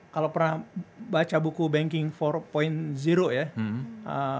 kalau pernah baca buku banking empat ya